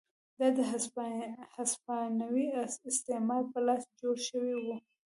دا د هسپانوي استعمار په لاس جوړ شوي وو.